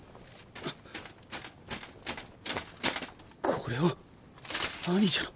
これは兄者の。